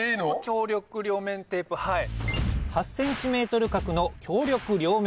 強力両面テープはい。